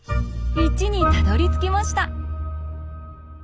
１にたどりつきました。